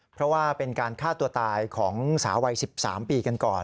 เพราะว่าเป็นการฆ่าตัวตายของสาววัย๑๓ปีกันก่อน